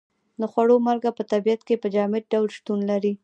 د خوړو مالګه په طبیعت کې په جامد ډول شتون لري.